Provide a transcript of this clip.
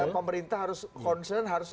pemerintah harus concern harus